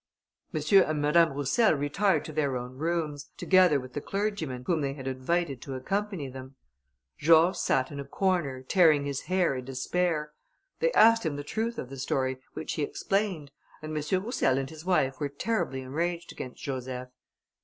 M. and Madame Roussel retired to their own rooms, together with the clergyman, whom they had invited to accompany them. George sat in a corner, tearing his hair in despair. They asked him the truth of the story, which he explained, and M. Roussel and his wife were terribly enraged against Joseph.